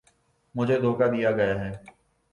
مجھے دھوکا دیا گیا ہے